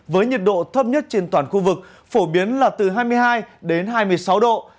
với nhiệt độ thấp nhất trên toàn khu vực phổ biến là từ hai mươi hai đến hai mươi sáu độ